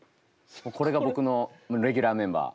これが僕のレギュラーメンバー。